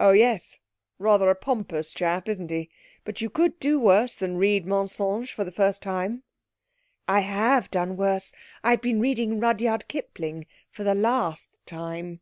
'Oh yes. Rather a pompous chap, isn't he? But you could do worse than read Mensonges for the first time.' 'I have done worse. I've been reading Rudyard Kipling for the last time.'